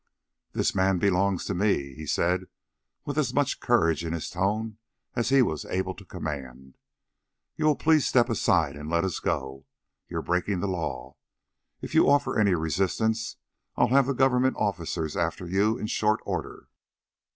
"This man belongs to me," he said with as much courage in his tone as he was able to command. "You will please step aside and let us go. You're breaking the law. If you offer any resistance I'll have the government officers after you in short order."